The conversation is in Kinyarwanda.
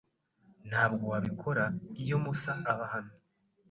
Ntabwo wabikora iyo Musa aba hano.